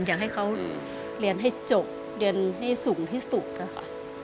อยากให้เขาเรียนให้จบเรียนให้สูงที่สุดนะคะ